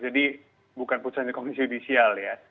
jadi bukan putusannya komunis yudisial ya